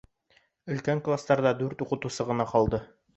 Өлкән кластарҙа дүрт уҡытыусы ғына ҡалды.